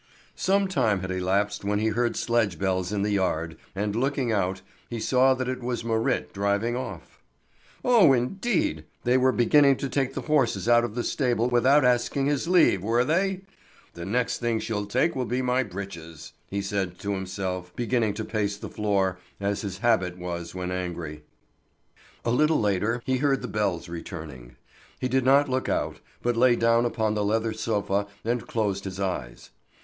Some time had elapsed when he heard sledge bells in the yard, and looking out, he saw that it was Marit driving off. Oh, indeed! They were beginning to take the horses out of the stable without asking his leave, were they? "The next thing she'll take will be my breeches," he said to himself, beginning to pace the floor, as his habit was when angry. A little later he heard the bells returning. He did not look out, but lay down upon the leather sofa and closed his eyes.